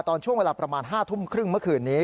ตอนช่วงเวลาประมาณ๕ทุ่มครึ่งเมื่อคืนนี้